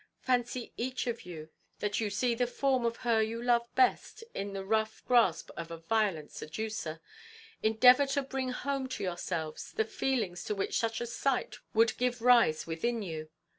Fancy each of you that you see the form of her you love best in the rough grasp of a violent seducer! Endeavour to bring home to yourselves the feelings to which such a sight would give rise within you!